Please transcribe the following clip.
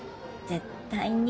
絶対に。